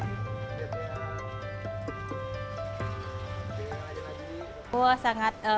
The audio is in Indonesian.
pemilik usaha laundry komang mariani mengucapkan uang dari rp lima ratus